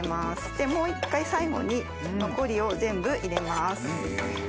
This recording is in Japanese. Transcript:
でもう１回最後に残りを全部入れます。